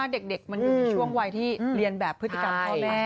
เด็กมันอยู่ในช่วงวัยที่เรียนแบบพฤติกรรมพ่อแม่